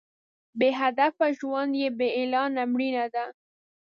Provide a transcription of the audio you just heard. بې هدفه ژوند بې اعلانه مړینه ده.